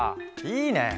いいね！